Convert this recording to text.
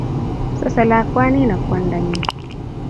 sosei lakwanino kwandanyin